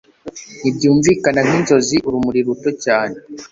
Ntibyumvikana nkinzozi urumuri ruto cyane